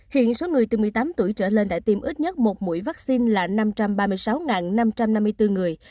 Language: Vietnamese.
hiện số người từ một mươi tám tuổi trở lên đã tiêm ít nhất một mũi vaccine là năm trăm ba mươi sáu năm trăm năm mươi bốn người